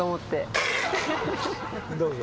どうぞ。